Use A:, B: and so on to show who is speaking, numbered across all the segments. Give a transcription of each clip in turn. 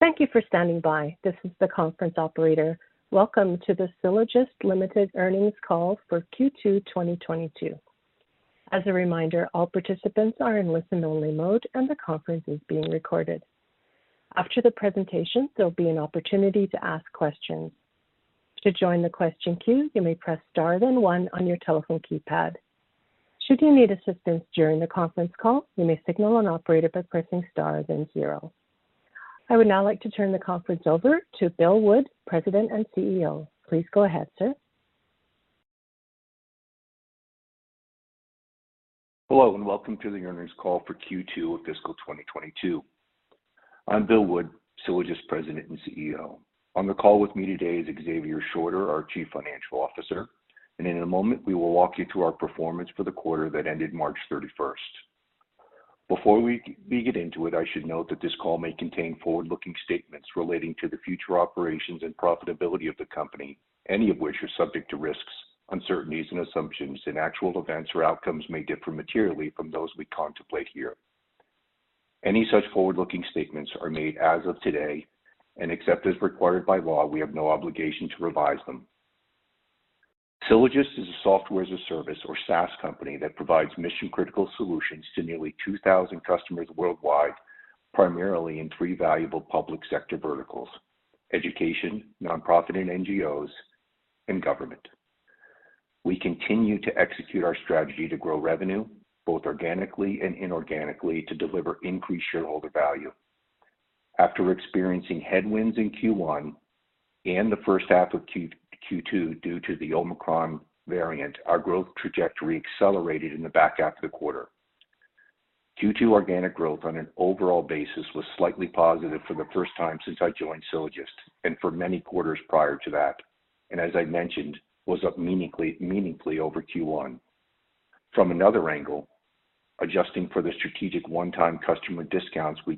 A: Thank you for standing by. This is the conference operator. Welcome to the Sylogist Ltd. earnings call for Q2 2022. As a reminder, all participants are in listen-only mode, and the conference is being recorded. After the presentation, there'll be an opportunity to ask questions. To join the question queue, you may press Star, then one on your telephone keypad. Should you need assistance during the conference call, you may signal an operator by pressing Star, then zero. I would now like to turn the conference over to Bill Wood, President and CEO. Please go ahead, sir.
B: Hello, and welcome to the earnings call for Q2 of fiscal 2022. I'm Bill Wood, Sylogist President and CEO. On the call with me today is Xavier Shorter, our Chief Financial Officer, and in a moment, we will walk you through our performance for the quarter that ended March thirty-first. Before we get into it, I should note that this call may contain forward-looking statements relating to the future operations and profitability of the company, any of which are subject to risks, uncertainties, and assumptions, and actual events or outcomes may differ materially from those we contemplate here. Any such forward-looking statements are made as of today, and except as required by law, we have no obligation to revise them. Sylogist is a software as a service or SaaS company that provides mission-critical solutions to nearly 2,000 customers worldwide, primarily in three valuable public sector verticals: education, nonprofit and NGOs, and government. We continue to execute our strategy to grow revenue, both organically and inorganically, to deliver increased shareholder value. After experiencing headwinds in Q1 and the first half of Q2 due to the Omicron variant, our growth trajectory accelerated in the back half of the quarter. Q2 organic growth on an overall basis was slightly positive for the first time since I joined Sylogist and for many quarters prior to that, and as I mentioned, was up meaningfully over Q1. From another angle, adjusting for the strategic one-time customer discounts we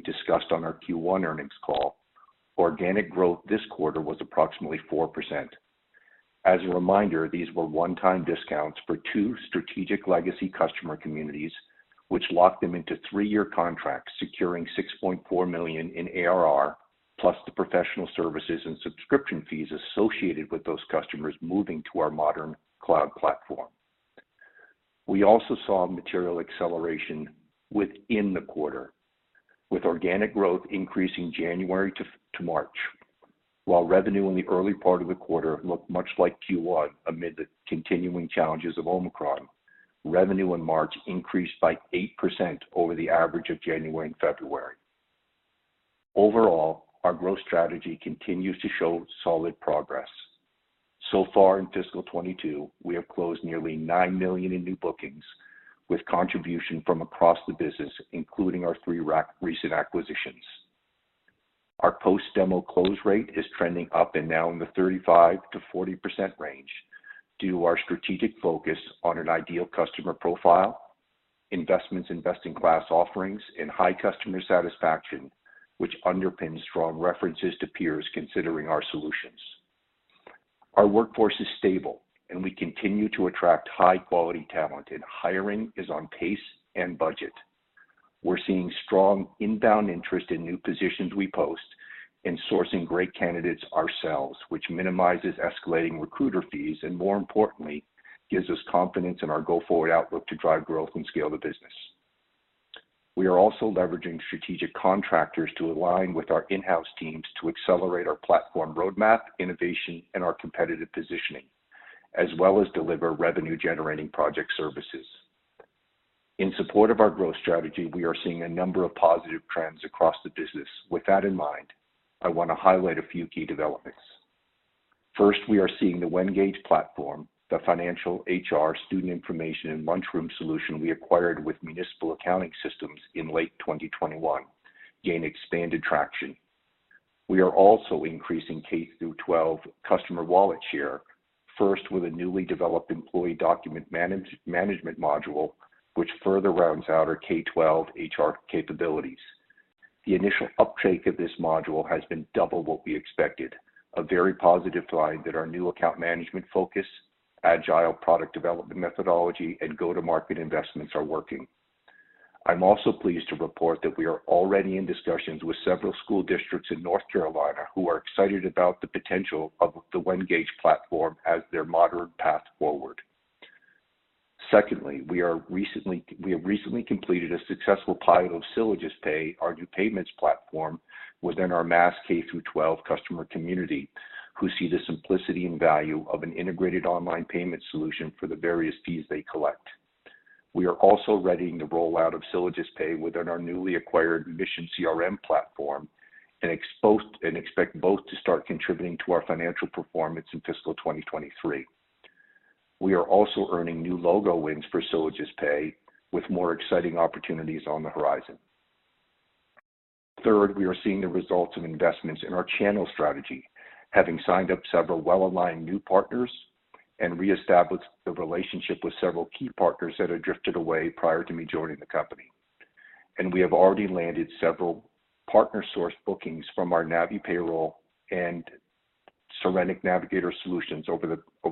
B: discussed on our Q1 earnings call, organic growth this quarter was approximately 4%. As a reminder, these were one-time discounts for two strategic legacy customer communities, which locked them into three-year contracts, securing 6.4 million in ARR, plus the professional services and subscription fees associated with those customers moving to our modern cloud platform. We also saw material acceleration within the quarter, with organic growth increasing January to March. While revenue in the early part of the quarter looked much like Q1 amid the continuing challenges of Omicron, revenue in March increased by 8% over the average of January and February. Overall, our growth strategy continues to show solid progress. So far in fiscal 2022, we have closed nearly 9 million in new bookings with contribution from across the business, including our three recent acquisitions. Our post-demo close rate is trending up and now in the 35%-40% range, due to our strategic focus on an ideal customer profile, investments in best-in-class offerings, and high customer satisfaction, which underpins strong references to peers considering our solutions. Our workforce is stable, and we continue to attract high-quality talent, and hiring is on pace and budget. We're seeing strong inbound interest in new positions we post and sourcing great candidates ourselves, which minimizes escalating recruiter fees and, more importantly, gives us confidence in our go-forward outlook to drive growth and scale the business. We are also leveraging strategic contractors to align with our in-house teams to accelerate our platform roadmap, innovation, and our competitive positioning, as well as deliver revenue-generating project services. In support of our growth strategy, we are seeing a number of positive trends across the business. With that in mind, I want to highlight a few key developments. First, we are seeing the WenGAGE platform, the financial HR student information and lunchroom solution we acquired with Municipal Accounting Systems in late 2021, gain expanded traction. We are also increasing K-12 customer wallet share, first with a newly developed employee document management module, which further rounds out our K-12 HR capabilities. The initial uptake of this module has been double what we expected, a very positive sign that our new account management focus, agile product development methodology, and go-to-market investments are working. I'm also pleased to report that we are already in discussions with several school districts in North Carolina who are excited about the potential of the WenGAGE platform as their modern path forward. Secondly, we have recently completed a successful pilot of SylogistPay, our new payments platform, within our MAS K-12 customer community, who see the simplicity and value of an integrated online payment solution for the various fees they collect. We are also readying the rollout of SylogistPay within our newly acquired MissionCRM platform and expect both to start contributing to our financial performance in fiscal 2023. We are also earning new logo wins for SylogistPay, with more exciting opportunities on the horizon. Third, we are seeing the results of investments in our channel strategy, having signed up several well-aligned new partners and reestablished the relationship with several key partners that had drifted away prior to me joining the company. We have already landed several partner-sourced bookings from our NaviPayroll and Serenic Navigator solutions over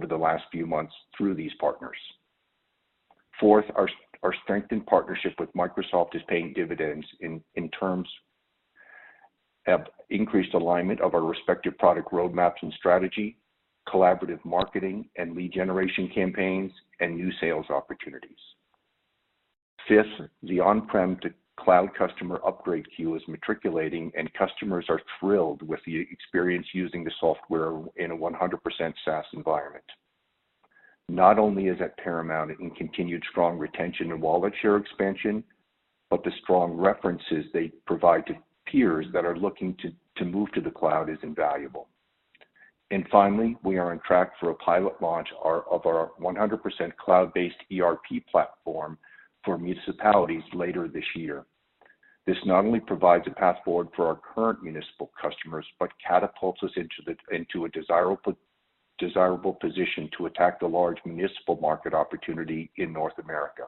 B: the last few months through these partners. Fourth, our strengthened partnership with Microsoft is paying dividends in terms of increased alignment of our respective product roadmaps and strategy, collaborative marketing and lead generation campaigns, and new sales opportunities. Fifth, the on-prem to cloud customer upgrade queue is materializing, and customers are thrilled with the experience using the software in a 100% SaaS environment. Not only is it paramount in continued strong retention and wallet share expansion, but the strong references they provide to peers that are looking to move to the cloud is invaluable. Finally, we are on track for a pilot launch of our 100% cloud-based ERP platform for municipalities later this year. This not only provides a path forward for our current municipal customers, but catapults us into a desirable position to attack the large municipal market opportunity in North America.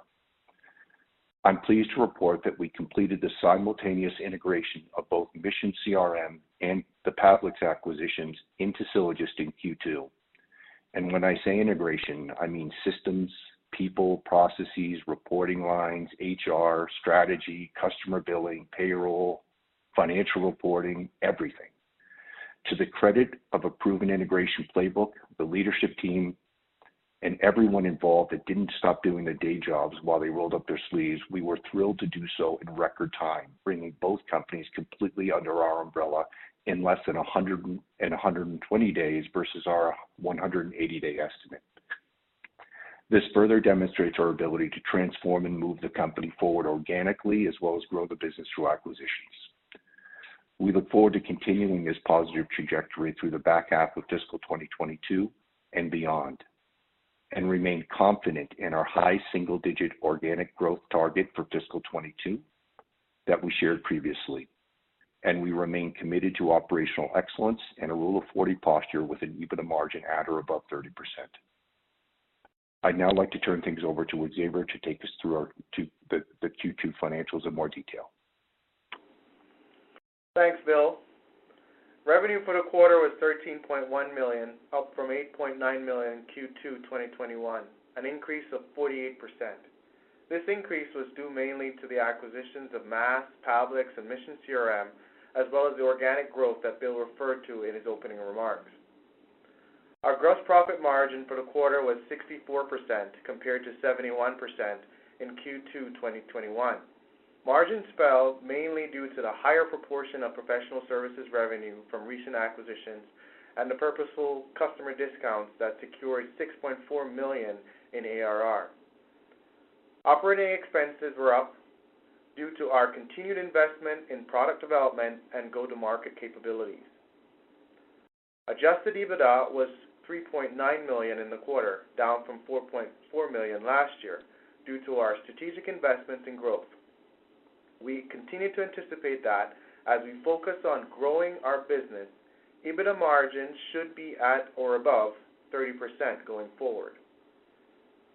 B: I'm pleased to report that we completed the simultaneous integration of both MissionCRM and the Pavliks acquisitions into Sylogist in Q2. When I say integration, I mean systems, people, processes, reporting lines, HR, strategy, customer billing, payroll, financial reporting, everything. To the credit of a proven integration playbook, the leadership team, and everyone involved that didn't stop doing their day jobs while they rolled up their sleeves, we were thrilled to do so in record time, bringing both companies completely under our umbrella in less than 120 days versus our 180-day estimate. This further demonstrates our ability to transform and move the company forward organically as well as grow the business through acquisitions. We look forward to continuing this positive trajectory through the back half of fiscal 2022 and beyond, and remain confident in our high single-digit organic growth target for fiscal 2022 that we shared previously. We remain committed to operational excellence and a Rule of 40 posture with an EBITDA margin at or above 30%. I'd now like to turn things over to Xavier to take us through the Q2 financials in more detail.
C: Thanks, Bill. Revenue for the quarter was 13.1 million, up from 8.9 million in Q2 2021, an increase of 48%. This increase was due mainly to the acquisitions of MAS, Pavliks, and MissionCRM, as well as the organic growth that Bill referred to in his opening remarks. Our gross profit margin for the quarter was 64%, compared to 71% in Q2 2021. Margins fell mainly due to the higher proportion of professional services revenue from recent acquisitions and the purposeful customer discounts that secured 6.4 million in ARR. Operating expenses were up due to our continued investment in product development and go-to-market capabilities. Adjusted EBITDA was 3.9 million in the quarter, down from 4.4 million last year due to our strategic investments in growth. We continue to anticipate that as we focus on growing our business, EBITDA margins should be at or above 30% going forward.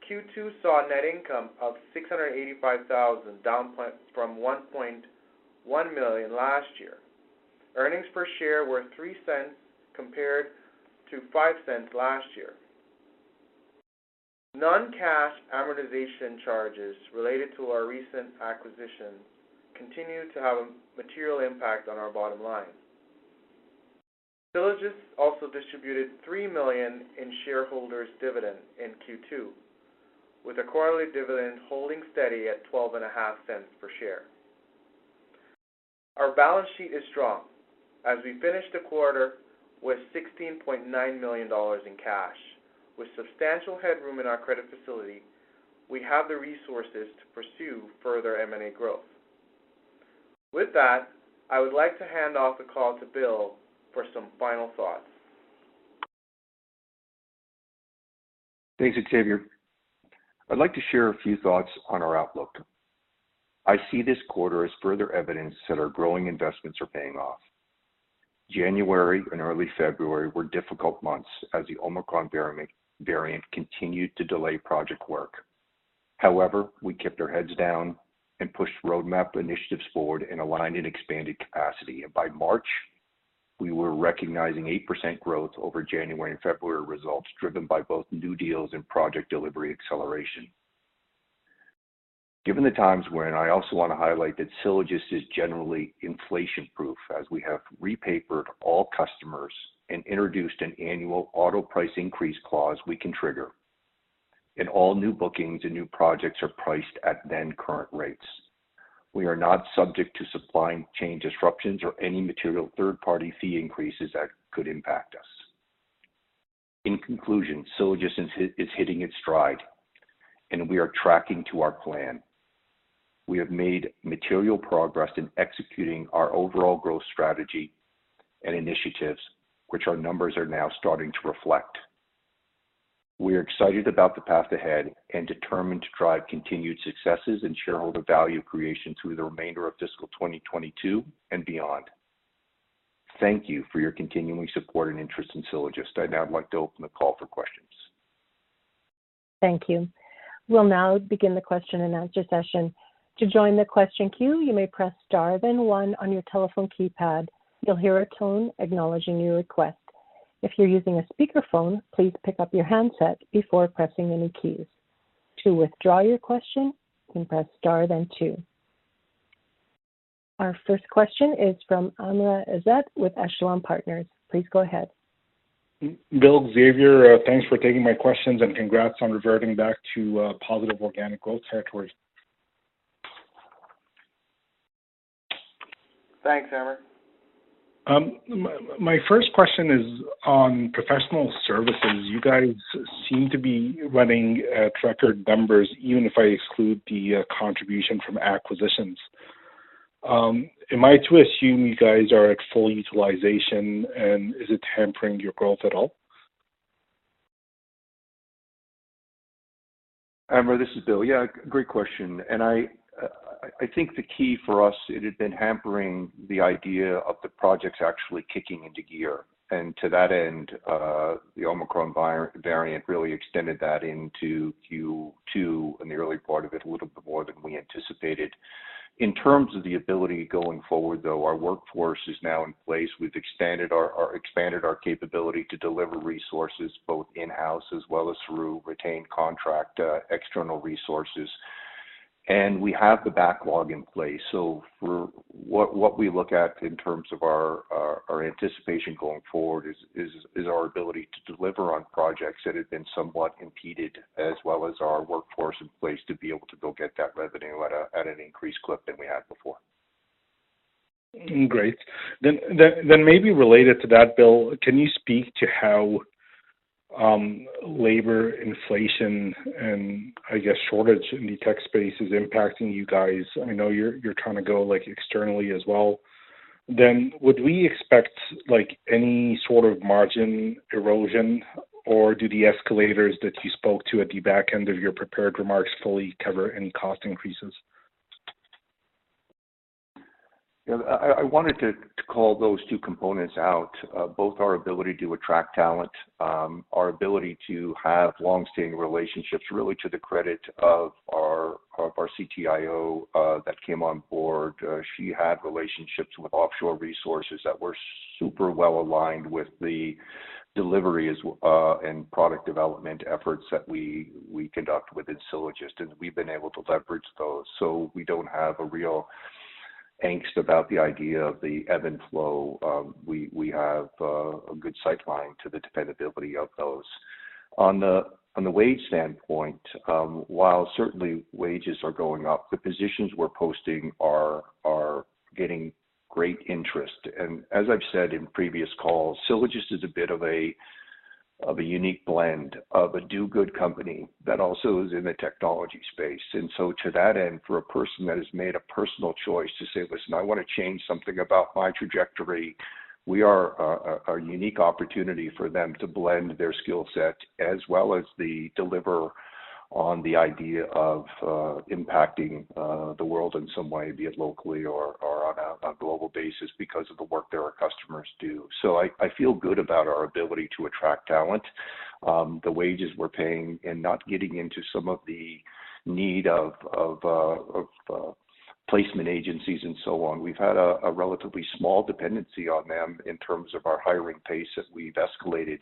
C: Q2 saw a net income of 685 thousand, down from 1.1 million last year. Earnings per share were 0.03 compared to 0.05 last year. Non-cash amortization charges related to our recent acquisition continue to have a material impact on our bottom line. Sylogist also distributed 3 million in shareholders dividend in Q2, with a quarterly dividend holding steady at 0.125 per share. Our balance sheet is strong as we finish the quarter with 16.9 million dollars in cash. With substantial headroom in our credit facility, we have the resources to pursue further M&A growth. With that, I would like to hand off the call to Bill for some final thoughts.
B: Thanks, Xavier. I'd like to share a few thoughts on our outlook. I see this quarter as further evidence that our growing investments are paying off. January and early February were difficult months as the Omicron variant continued to delay project work. However, we kept our heads down and pushed roadmap initiatives forward and aligned and expanded capacity. By March, we were recognizing 8% growth over January and February results, driven by both new deals and project delivery acceleration. Given the times we're in, I also want to highlight that Sylogist is generally inflation-proof, as we have repapered all customers and introduced an annual auto price increase clause we can trigger. All new bookings and new projects are priced at then-current rates. We are not subject to supply chain disruptions or any material third-party fee increases that could impact us. In conclusion, Sylogist is hitting its stride, and we are tracking to our plan. We have made material progress in executing our overall growth strategy and initiatives, which our numbers are now starting to reflect. We are excited about the path ahead and determined to drive continued successes and shareholder value creation through the remainder of fiscal 2022 and beyond. Thank you for your continuing support and interest in Sylogist. I'd now like to open the call for questions.
A: Thank you. We'll now begin the question and answer session. To join the question queue, you may press star then 1 on your telephone keypad. You'll hear a tone acknowledging your request. If you're using a speakerphone, please pick up your handset before pressing any keys. To withdraw your question, you can press star then two. Our first question is from Amr Ezzat with Echelon Wealth Partners. Please go ahead.
D: Bill, Xavier. Thanks for taking my questions, and congrats on reverting back to positive organic growth territory.
B: Thanks, Amr.
D: My first question is on professional services. You guys seem to be running record numbers even if I exclude the contribution from acquisitions. Am I to assume you guys are at full utilization, and is it hampering your growth at all?
B: Amr, this is Bill. Yeah, great question. I think the key for us, it had been hampering the idea of the projects actually kicking into gear. To that end, the Omicron variant really extended that into Q2, in the early part of it, a little bit more than we anticipated. In terms of the ability going forward, though, our workforce is now in place. We've expanded our capability to deliver resources both in-house as well as through retained contract external resources. We have the backlog in place. What we look at in terms of our anticipation going forward is our ability to deliver on projects that have been somewhat impeded, as well as our workforce in place to be able to go get that revenue at an increased clip than we had before.
D: Great. Maybe related to that, Bill, can you speak to how labor inflation and I guess shortage in the tech space is impacting you guys? I know you're trying to go, like, externally as well. Would we expect, like, any sort of margin erosion? Or do the escalators that you spoke to at the back end of your prepared remarks fully cover any cost increases?
B: Yeah. I wanted to call those two components out. Both our ability to attract talent, our ability to have long-standing relationships, really to the credit of our CTIO that came on board. She had relationships with offshore resources that were super well aligned with the delivery and product development efforts that we conduct within Sylogist, and we've been able to leverage those. We don't have a real angst about the idea of the ebb and flow. We have a good sight line to the dependability of those. On the wage standpoint, while certainly wages are going up, the positions we're posting are getting great interest. As I've said in previous calls, Sylogist is a bit of a unique blend of a do-good company that also is in the technology space. To that end, for a person that has made a personal choice to say, "Listen, I wanna change something about my trajectory," we are a unique opportunity for them to blend their skill set, as well as deliver on the idea of impacting the world in some way, be it locally or on a global basis because of the work that our customers do. I feel good about our ability to attract talent, the wages we're paying and not getting into some of the need of placement agencies and so on. We've had a relatively small dependency on them in terms of our hiring pace that we've escalated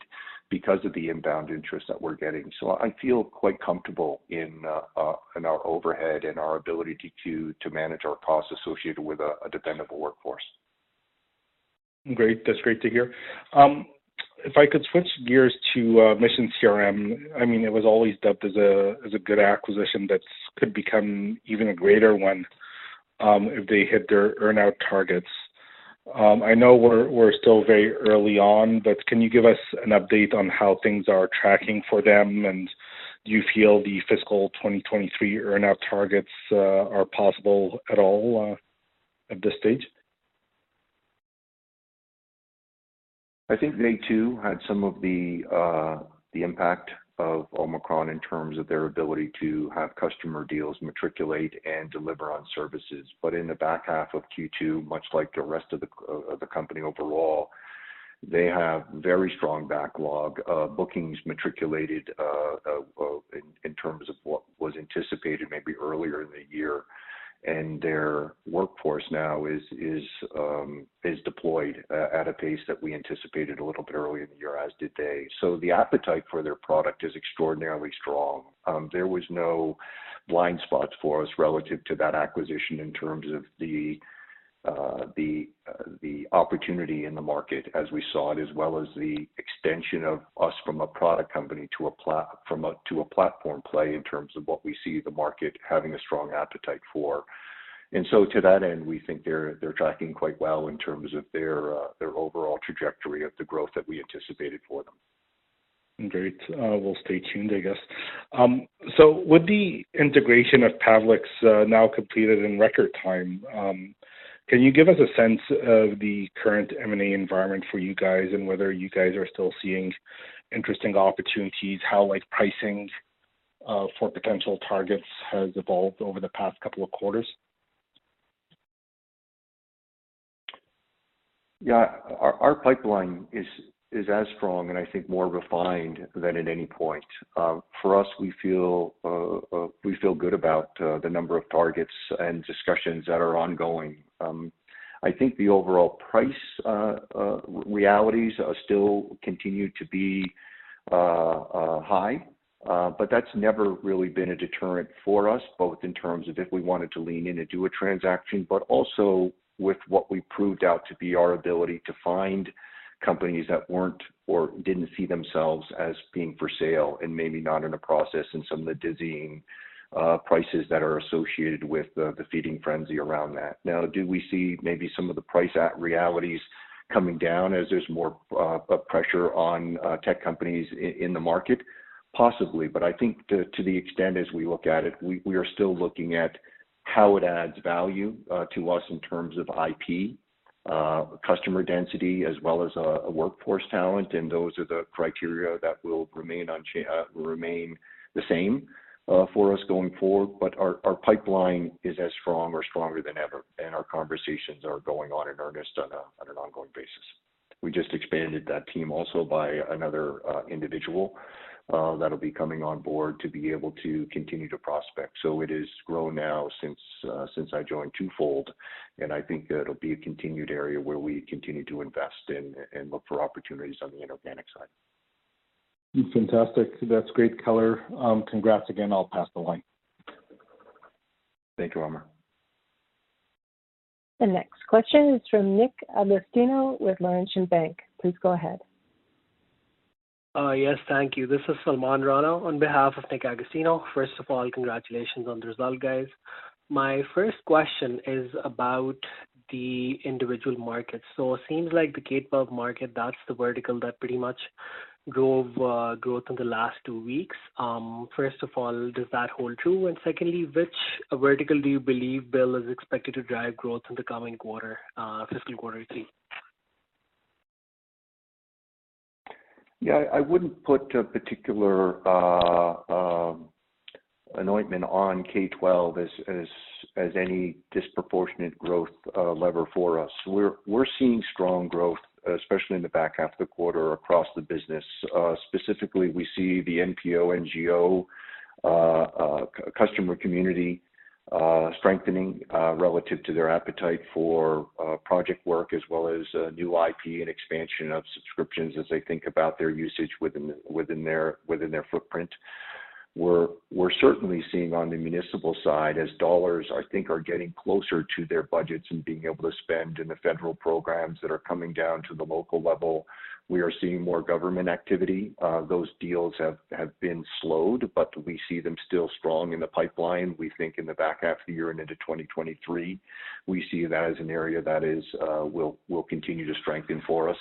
B: because of the inbound interest that we're getting. I feel quite comfortable in our overhead and our ability to manage our costs associated with a dependable workforce.
D: Great. That's great to hear. If I could switch gears to MissionCRM. I mean, it was always dubbed as a good acquisition that could become even a greater one, if they hit their earn-out targets. I know we're still very early on, but can you give us an update on how things are tracking for them? Do you feel the fiscal 2023 earn-out targets are possible at all at this stage?
B: I think they too had some of the impact of Omicron in terms of their ability to have customer deals matriculate and deliver on services. In the back half of Q2, much like the rest of the company overall, they have very strong backlog. Bookings matriculated in terms of what was anticipated maybe earlier in the year. Their workforce now is deployed at a pace that we anticipated a little bit earlier in the year, as did they. The appetite for their product is extraordinarily strong. There was no blind spots for us relative to that acquisition in terms of the opportunity in the market as we saw it, as well as the extension of us from a product company to a platform play in terms of what we see the market having a strong appetite for. To that end, we think they're tracking quite well in terms of their overall trajectory of the growth that we anticipated for them.
D: Great. We'll stay tuned, I guess. With the integration of Pavliks's now completed in record time, can you give us a sense of the current M&A environment for you guys and whether you guys are still seeing interesting opportunities, how, like, pricing for potential targets has evolved over the past couple of quarters?
B: Yeah. Our pipeline is as strong and I think more refined than at any point. For us, we feel good about the number of targets and discussions that are ongoing. I think the overall price realities are still continue to be high. That's never really been a deterrent for us, both in terms of if we wanted to lean in and do a transaction, but also with what we proved out to be our ability to find companies that weren't or didn't see themselves as being for sale and maybe not in a process and some of the dizzying prices that are associated with the feeding frenzy around that. Now, do we see maybe some of the pricing realities coming down as there's more pressure on tech companies in the market? Possibly. I think to the extent as we look at it, we are still looking at how it adds value to us in terms of IP, customer density, as well as a workforce talent, and those are the criteria that will remain the same for us going forward. Our pipeline is as strong or stronger than ever, and our conversations are going on in earnest on an ongoing basis. We just expanded that team also by another individual that'll be coming on board to be able to continue to prospect. It has grown now since I joined twofold, and I think it'll be a continued area where we continue to invest and look for opportunities on the inorganic side.
D: Fantastic. That's great color. Congrats again. I'll pass the line.
B: Thank you, Amr.
A: The next question is from Nick Agostino with Laurentian Bank. Please go ahead.
E: Yes, thank you. This is Salman Rana on behalf of Nick Agostino. First of all, congratulations on the result, guys. My first question is about the individual markets. It seems like the K-12 market, that's the vertical that pretty much drove growth in the last two weeks. First of all, does that hold true? Secondly, which vertical do you believe, Bill, is expected to drive growth in the coming quarter, fiscal quarter three?
B: Yeah. I wouldn't put a particular emphasis on K-12 as any disproportionate growth lever for us. We're seeing strong growth, especially in the back half of the quarter across the business. Specifically, we see the NPO, NGO customer community strengthening relative to their appetite for project work, as well as new IP and expansion of subscriptions as they think about their usage within their footprint. We're certainly seeing on the municipal side, as dollars, I think, are getting closer to their budgets and being able to spend in the federal programs that are coming down to the local level. We are seeing more government activity. Those deals have been slowed, but we see them still strong in the pipeline. We think in the back half of the year and into 2023, we see that as an area that will continue to strengthen for us.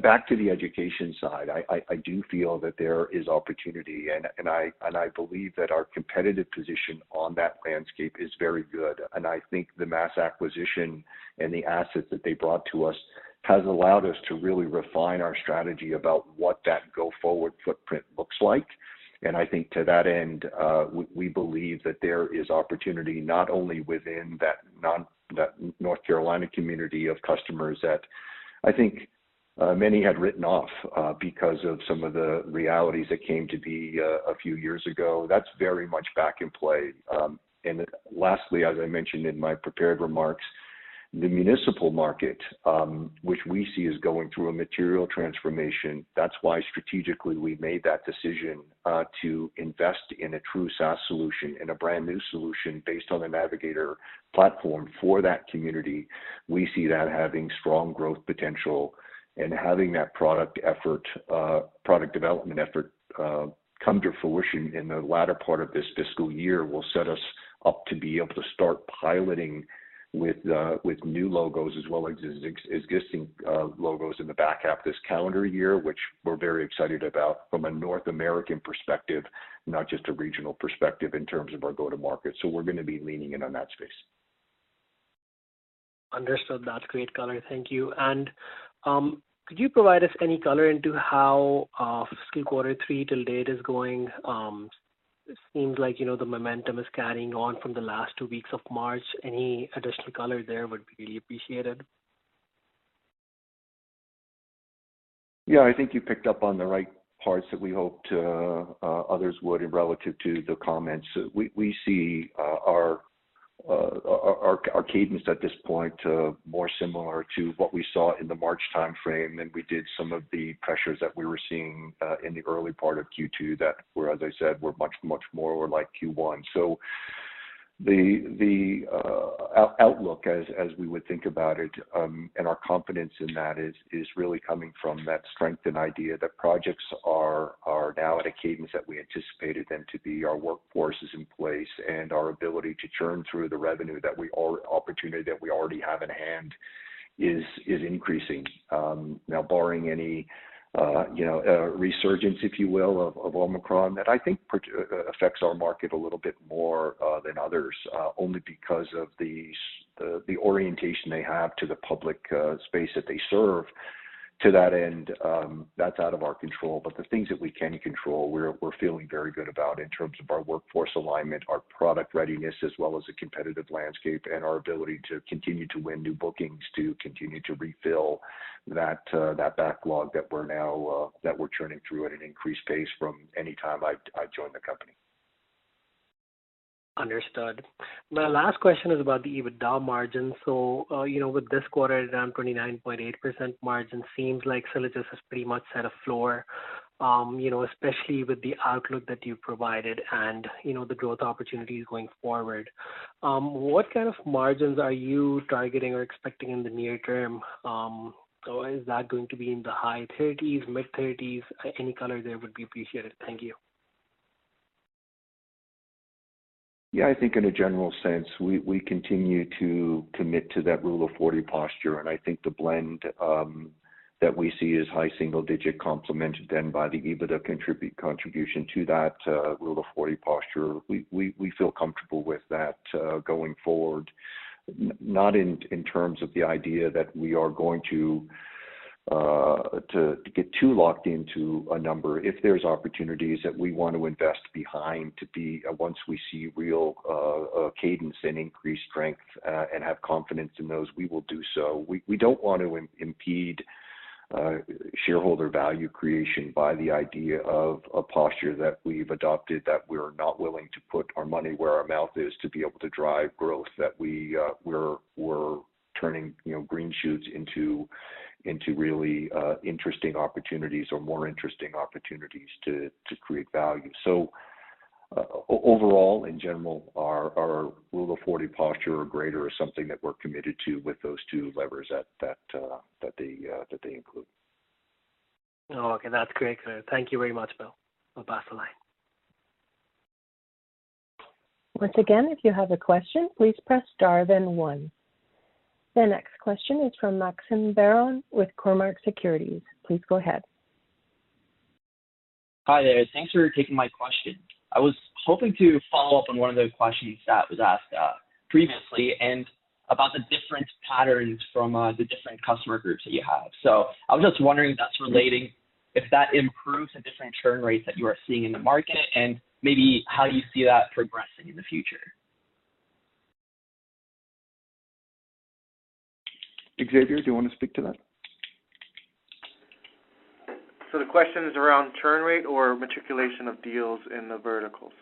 B: Back to the education side, I do feel that there is opportunity, and I believe that our competitive position on that landscape is very good. I think the MAS acquisition and the assets that they brought to us has allowed us to really refine our strategy about what that go-forward footprint looks like. I think to that end, we believe that there is opportunity not only within that North Carolina community of customers that I think many had written off because of some of the realities that came to be a few years ago. That's very much back in play. Lastly, as I mentioned in my prepared remarks, the municipal market, which we see is going through a material transformation, that's why strategically we made that decision to invest in a true SaaS solution and a brand-new solution based on the Navigator platform for that community. We see that having strong growth potential and having that product effort, product development effort, come to fruition in the latter part of this fiscal year will set us up to be able to start piloting with new logos as well as existing logos in the back half of this calendar year, which we're very excited about from a North American perspective, not just a regional perspective in terms of our go-to-market. We're gonna be leaning in on that space.
E: Understood. That's great color. Thank you. Could you provide us any color into how fiscal quarter three till date is going? It seems like, you know, the momentum is carrying on from the last two weeks of March. Any additional color there would be really appreciated.
B: Yeah. I think you picked up on the right parts that we hoped others would in relation to the comments. We see our cadence at this point more similar to what we saw in the March timeframe than we did some of the pressures that we were seeing in the early part of Q2 that were, as I said, much more like Q1. The outlook as we would think about it and our confidence in that is really coming from that strength and idea that projects are now at a cadence that we anticipated them to be. Our workforce is in place, and our ability to churn through the opportunity that we already have in hand is increasing. Now barring any resurgence, if you will, of Omicron that I think partly affects our market a little bit more than others only because of the orientation they have to the public space that they serve. To that end, that's out of our control. The things that we can control, we're feeling very good about in terms of our workforce alignment, our product readiness, as well as the competitive landscape and our ability to continue to win new bookings to continue to refill that backlog that we're now churning through at an increased pace from any time I've joined the company.
E: Understood. My last question is about the EBITDA margin. You know, with this quarter down 29.8% margin seems like Sylogist has pretty much set a floor, you know, especially with the outlook that you've provided and, you know, the growth opportunities going forward. What kind of margins are you targeting or expecting in the near term? Is that going to be in the high 30s, mid-30s? Any color there would be appreciated. Thank you.
B: Yeah. I think in a general sense, we continue to commit to that Rule of 40 posture. I think the blend that we see is high single-digit complemented then by the EBITDA contribution to that Rule of 40 posture. We feel comfortable with that going forward. Not in terms of the idea that we are going to get too locked into a number. If there's opportunities that we want to invest behind. Once we see real cadence and increased strength and have confidence in those, we will do so. We don't want to impede shareholder value creation by the idea of a posture that we've adopted, that we're not willing to put our money where our mouth is to be able to drive growth that we're turning, you know, green shoots into really interesting opportunities or more interesting opportunities to create value. Overall, in general, our Rule of 40 posture or greater is something that we're committed to with those two levers that they include.
E: Okay. That's great, clear. Thank you very much, Bill. I'll pass the line.
A: Once again, if you have a question, please press star then one. The next question is from Maxim Barron with Cormark Securities. Please go ahead.
F: Hi there. Thanks for taking my question. I was hoping to follow up on one of the questions that was asked previously and about the different patterns from the different customer groups that you have. I was just wondering if that improves the different churn rates that you are seeing in the market and maybe how you see that progressing in the future.
B: Xavier, do you wanna speak to that?
C: The question is around churn rate or migration of deals in the verticals?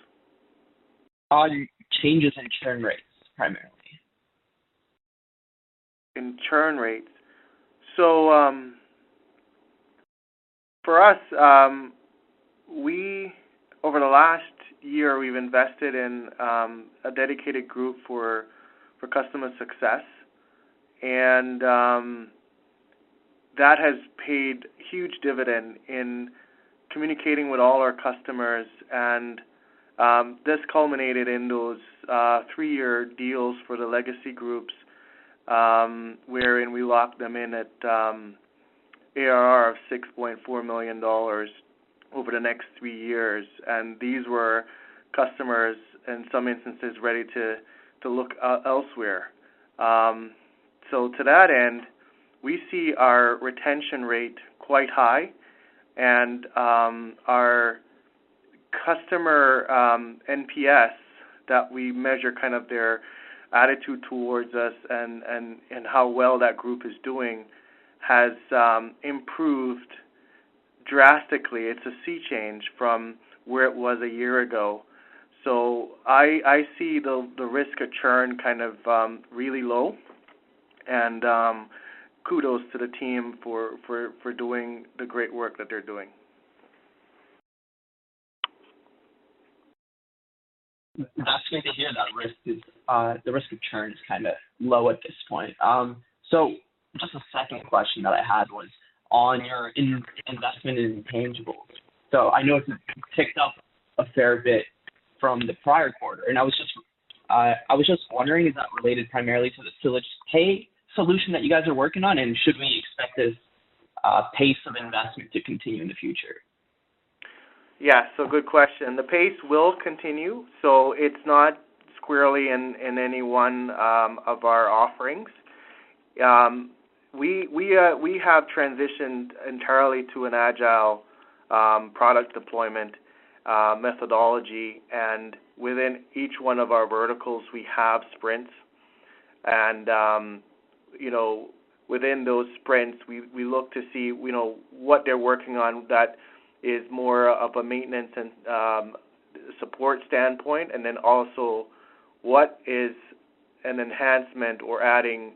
F: Changes in churn rates primarily.
C: In churn rates. For us, over the last year, we've invested in a dedicated group for customer success. That has paid huge dividend in communicating with all our customers. This culminated in those three-year deals for the legacy groups, wherein we locked them in at ARR of 6.4 million dollars over the next three years. These were customers, in some instances, ready to look elsewhere. To that end, we see our retention rate quite high. Our customer NPS that we measure kind of their attitude towards us and how well that group is doing has improved drastically. It's a sea change from where it was a year ago. I see the risk of churn kind of really low. Kudos to the team for doing the great work that they're doing.
F: That's good to hear the risk of churn is kinda low at this point. Just a second question that I had was on your investment in intangibles. I know it's picked up a fair bit from the prior quarter, and I was just wondering, is that related primarily to the Sylogist Pay solution that you guys are working on? Should we expect this pace of investment to continue in the future?
C: Yeah. Good question. The pace will continue, so it's not squarely in any one of our offerings. We have transitioned entirely to an agile product deployment methodology. Within each one of our verticals, we have sprints. You know, within those sprints, we look to see what they're working on that is more of a maintenance and support standpoint, and then also what is an enhancement or adding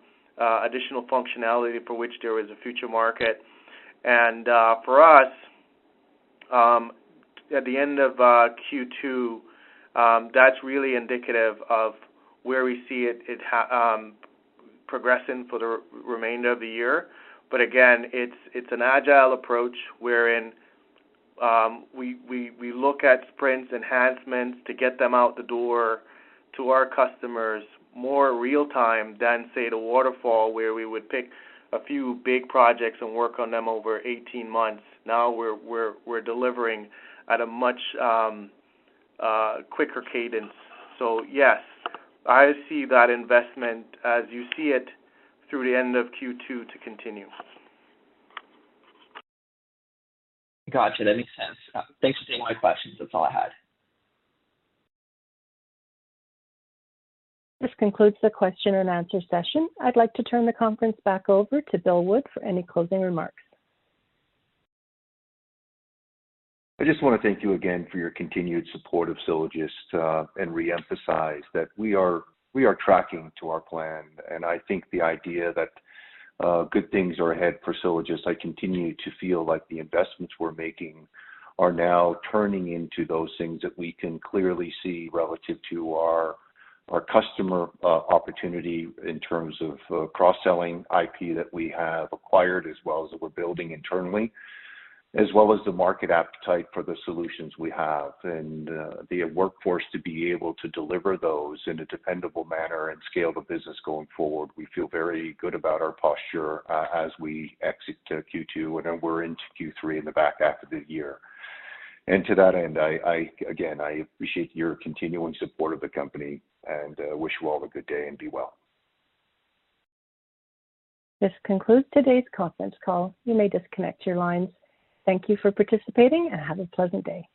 C: additional functionality for which there is a future market. For us, at the end of Q2, that's really indicative of where we see it progressing for the remainder of the year. Again, it's an agile approach wherein we look at sprints enhancements to get them out the door to our customers more real time than, say, the waterfall, where we would pick a few big projects and work on them over 18 months. Now we're delivering at a much quicker cadence. Yes, I see that investment as you see it through the end of Q2 to continue.
F: Gotcha. That makes sense. Thanks for taking my questions. That's all I had.
A: This concludes the question and answer session. I'd like to turn the conference back over to Bill Wood for any closing remarks.
B: I just wanna thank you again for your continued support of Sylogist, and reemphasize that we are tracking to our plan, and I think the idea that good things are ahead for Sylogist. I continue to feel like the investments we're making are now turning into those things that we can clearly see relative to our customer opportunity in terms of cross-selling IP that we have acquired, as well as that we're building internally, as well as the market appetite for the solutions we have and the workforce to be able to deliver those in a dependable manner and scale the business going forward. We feel very good about our posture as we exit Q2, and then we're into Q3 in the back half of the year. To that end, again, I appreciate your continuing support of the company and wish you all a good day and be well.
A: This concludes today's conference call. You may disconnect your lines. Thank you for participating and have a pleasant day.